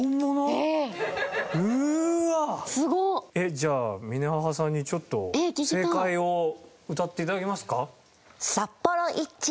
じゃあミネハハさんにちょっと正解を歌って頂きますか？